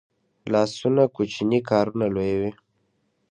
لاسونه کوچني کارونه لویوي